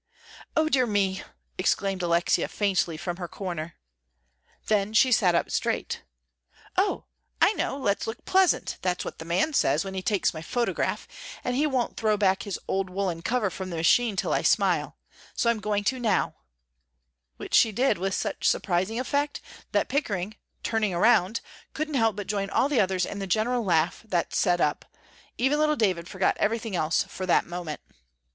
"O dear me!" exclaimed Alexia, faintly from her corner. Then she sat up straight. "Oh, I know, let's look pleasant, that's what the man says when he takes my photograph, and he won't throw back his old woollen cover from the machine till I smile, so I'm going to now," which she did with such surprising effect, that Pickering, turning around, couldn't help but join all the others in the general laugh that set up; even little David forgot everything else for that moment.